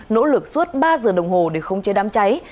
nỗ lực suốt ba giờ đồng hồ để khống chế đám cháy